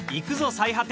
最果て！